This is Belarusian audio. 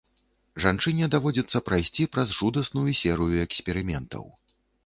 Жанчыне даводзіцца прайсці праз жудасную серыю эксперыментаў.